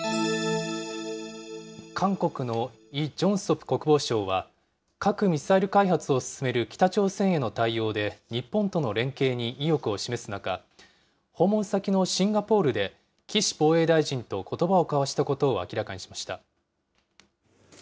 韓国のイ・ジョンソプ国防相は、核・ミサイル開発を進める北朝鮮への対応で、日本との連携に意欲を示す中、訪問先のシンガポールで、岸防衛大臣とことばを交わしたことを明らかにしました。